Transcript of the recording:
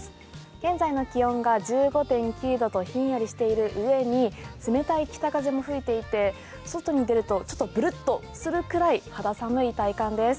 現在の気温が１５．９度とひんやりしているうえに冷たい北風も吹いていて外に出るとちょっとぶるっとするくらい肌寒い体感です。